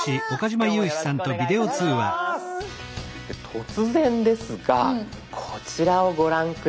突然ですがこちらをご覧下さい。